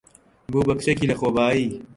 بوو بە کچێکی لەخۆبایی.